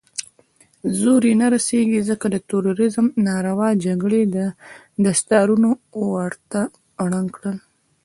زور يې نه رسېږي، ځکه د تروريزم ناروا جګړې دستارونه ورته ړنګ کړل.